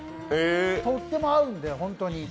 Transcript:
とっても合うんで、ホントに。